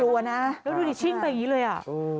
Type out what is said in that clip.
กลัวนะแล้วดูดิชิ่งไปอย่างนี้เลยอ่ะ